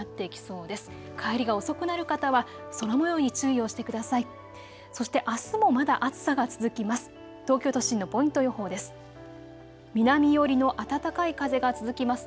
そしてあすもまだ暑さが続きます。